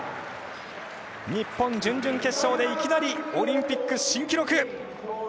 日本、準々決勝でいきなりオリンピック新記録。